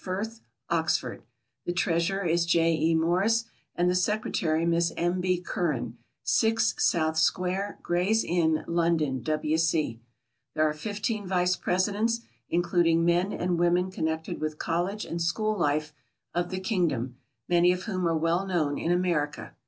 Firth, Oxford. The treasurer is J. E. Morris, and the secretary Miss M. B. Curran, 6 South Square, Gray's Inn, London, W. C. There are 15 vice presidents, including men and women connected with college and school life of the kingdom, many of whom are well known in America.